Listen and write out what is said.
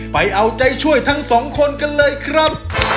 ไปเอาใจช่วยทั้งสองคนกันเลยครับ